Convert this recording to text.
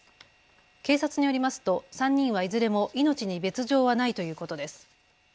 警察によりますと３人はいずれも命に別状はないということです。